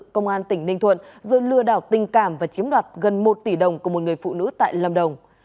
công an tỉnh ninh thuận rồi lừa đảo tình cảm và chiếm đoạt gần một tỷ đồng của một người phụ nữ tại lâm đồng